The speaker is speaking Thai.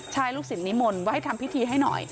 ใช่ลูกศิษย์นิมนต์ว่าให้ทำพิธีให้หน่อย